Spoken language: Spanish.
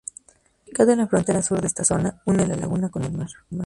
Ubicado en la frontera Sur de esta zona, une la laguna con el mar.